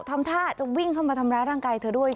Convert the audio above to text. ทำท่าจะวิ่งเข้ามาทำร้ายร่างกายเธอด้วย